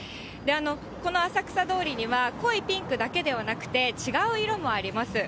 この浅草通りには、濃いピンクだけではなくて、違う色もあります。